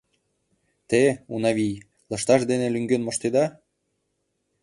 — Те, Унавий, лышташ дене лӱҥген моштеда?